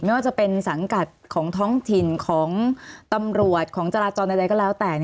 ไม่ว่าจะเป็นสังกัดของท้องถิ่นของตำรวจของจราจรใดก็แล้วแต่